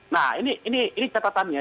nah ini catatannya